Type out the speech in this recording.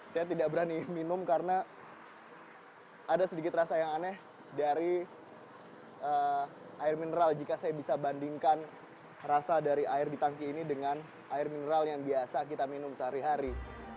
saya tidak berani minum karena ada sedikit rasa yang aneh dari air mineral jika saya bisa bandingkan rasa dari air di tangki ini dengan air mineral yang biasa kita minum sehari hari